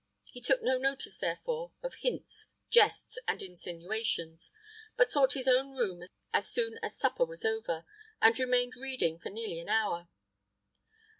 He took no notice, therefore, of hints, jests, and insinuations, but sought his own room as soon as supper was over, and remained reading for nearly an hour.